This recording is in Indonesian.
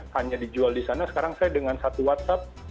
hanya dijual di sana sekarang saya dengan satu whatsapp